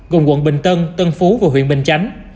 gồm quận bình tân tân phú và huyện bình chánh